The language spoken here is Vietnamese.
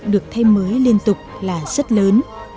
được thêm mới liên tục là rất lớn